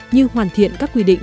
như hoàn thiện các quy định